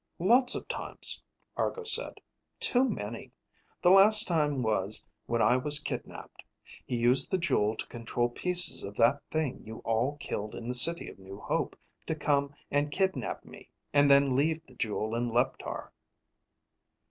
"Lots of times," Argo said. "Too many. The last time was when I was kidnaped. He used the jewel to control pieces of that thing you all killed in the City of New Hope to come and kidnap me and then leave the jewel in Leptar."